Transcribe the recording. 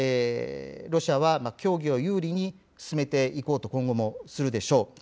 ロシアは協議を有利に進めていこうと、今後もするでしょう。